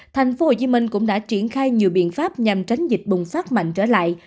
tp hcm cũng đã triển khai nhiều biện pháp nhằm tránh dịch bùng phát mạnh trở lại